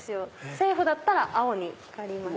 セーフだったら青に光ります。